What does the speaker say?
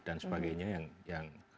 dan sebagainya yang